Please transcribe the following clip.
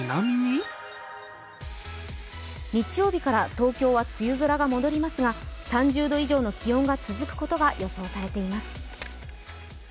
日曜日から東京は梅雨空が戻りますが、３０度以上の気温が続くことが予想されています。